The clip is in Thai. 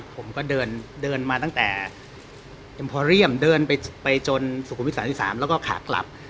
ผมก็เดินมาตั้งแต่เอ็มพอเรียมเดินไปจนสุขุมวิท๓๓แล้วก็ขากลับ